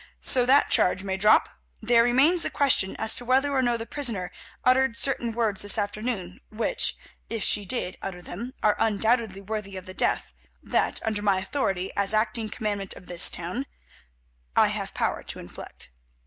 So that charge may drop. There remains the question as to whether or no the prisoner uttered certain words this afternoon, which, if she did utter them, are undoubtedly worthy of the death that, under my authority as acting commandant of this town, I have power to inflict.